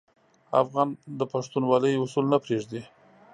افغان د پښتونولي اصول نه پرېږدي.